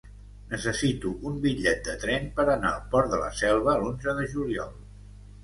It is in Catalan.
Necessito un bitllet de tren per anar al Port de la Selva l'onze de juliol.